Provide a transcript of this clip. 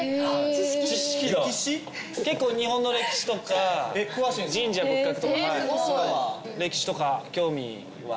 知識が結構日本の歴史とか神社仏閣とか歴史とか興味は？